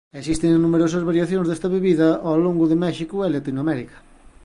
Existen numerosas variacións desta bebida ó longo de México e Latinoamérica.